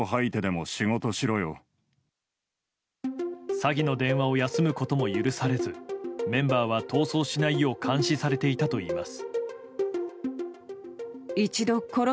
詐欺の電話を休むことも許されずメンバーは逃走しないよう監視されていたといいます。